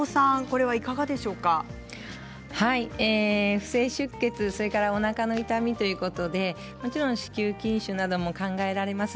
不正出血、おなかの痛みということでもちろん子宮筋腫なども考えられます。